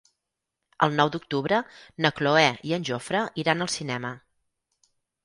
El nou d'octubre na Cloè i en Jofre iran al cinema.